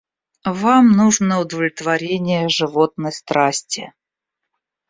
Вам нужно удовлетворение животной страсти...